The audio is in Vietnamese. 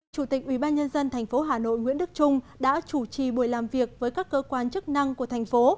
chủ tịch ubnd tp hà nội nguyễn đức trung đã chủ trì buổi làm việc với các cơ quan chức năng của thành phố